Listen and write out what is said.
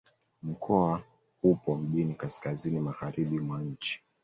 Mkoa upo mjini kaskazini-magharibi mwa nchi.